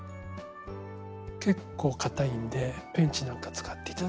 結構かたいんでペンチなんか使って頂いてもいいです。